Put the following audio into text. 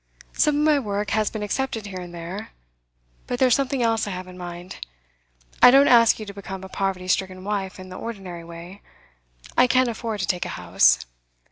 'Some of my work has been accepted here and there; but there's something else I have in mind. I don't ask you to become a poverty stricken wife in the ordinary way. I can't afford to take a house.